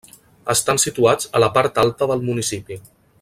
Estan situats a la part alta del municipi.